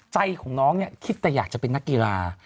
ใจของน้องเนี่ยคิดแต่อยากจะเป็นนักกีฬา